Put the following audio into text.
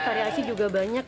variasi juga banyak